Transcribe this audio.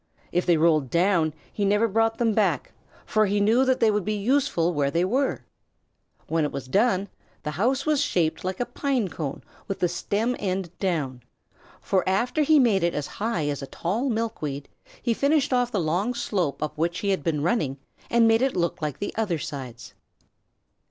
If they rolled down he never brought them back, for he knew that they would be useful where they were. When it was done, the house was shaped like a pine cone with the stem end down, for after he had made it as high as a tall milkweed he finished off the long slope up which he had been running and made it look like the other sides.